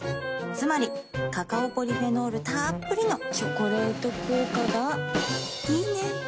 つまりカカオポリフェノールたっぷりの「チョコレート効果」がいいね。